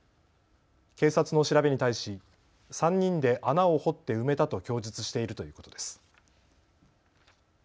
警察の調べに対し３人で穴を掘って埋めたと供述しているということです。